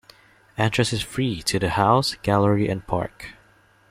Entrance is free to the House, Gallery and Park.